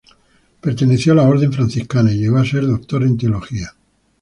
Perteneció a la Orden franciscana y llegó a ser doctor en teología.